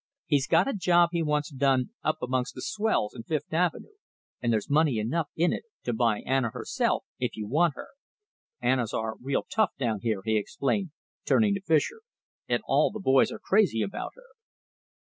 He's got a job he wants done up amongst the swells in Fifth Avenue, and there's money enough in it to buy Anna herself, if you want her. Anna's our real toff down here," he explained, turning to Fischer, "and all the boys are crazy about her."